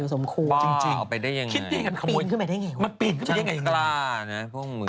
เอาไปได้ยังไงมาปิดขึ้นไปได้ยังไง